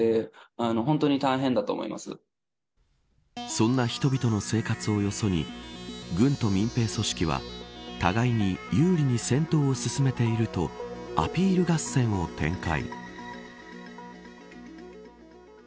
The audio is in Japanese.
そんな人々の生活をよそに軍と民兵組織は、互いに有利に戦闘を進めているとアピール合戦を展開。